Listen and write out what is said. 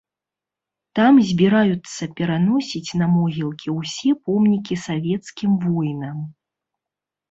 Там збіраюцца пераносіць на могілкі ўсе помнікі савецкім воінам.